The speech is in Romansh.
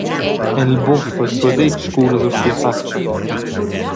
El buffa e suadetsch cula sur sia fatscha.